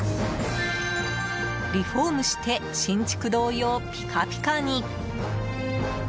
リフォームして新築同様、ピカピカに！